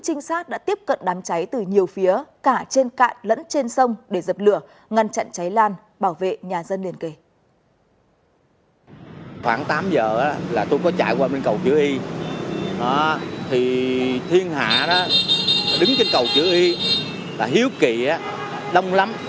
thì thiên hạ đó đứng trên cầu chữ y là hiếu kỳ đông lắm